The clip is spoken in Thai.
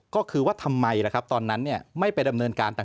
ก็คือว่าทำไมล่ะครับตอนนั้นเนี่ย